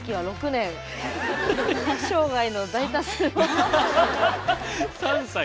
生涯の大多数の。